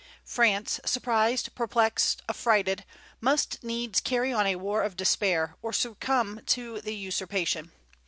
France, surprised, perplexed, affrighted, must needs carry on a war of despair, or succumb to the usurpation.